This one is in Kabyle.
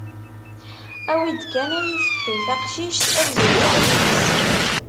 Awi-d kan ad yi-tefkem taqcict, ad zewǧeɣ yid-s.